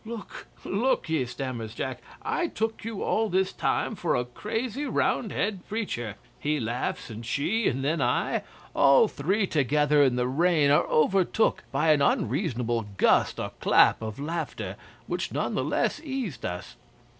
'"Look look ye," stammers Jack, "I took you all this time for a crazy Roundhead preacher." He laughs, and she, and then I all three together in the rain are overtook by an unreasonable gust or clap of laughter, which none the less eased us.